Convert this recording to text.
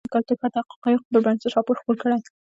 ازادي راډیو د کلتور په اړه د حقایقو پر بنسټ راپور خپور کړی.